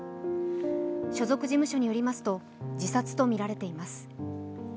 所属事務所によりますと自殺とみられています。